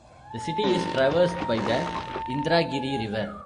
The city is traversed by the Indragiri River.